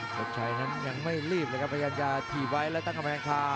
สมชัยนั้นยังไม่รีบเลยครับพยายามจะถีบไว้แล้วตั้งกำแพงคา